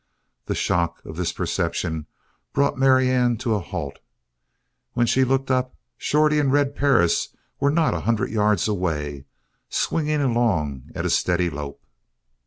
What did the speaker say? The shock of this perception brought Marianne to a halt. When she looked up Shorty and Red Perris were not a hundred yards away, swinging along at a steady lope!